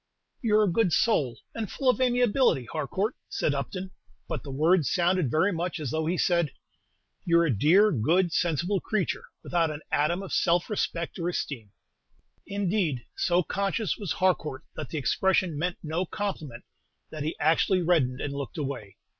"You're a good soul, and full of amiability, Harcourt," said Upton; but the words sounded very much as though he said, "You're a dear, good, sensible creature, without an atom of self respect or esteem." Indeed, so conscious was Harcourt that the expression meant no compliment that he actually reddened and looked away.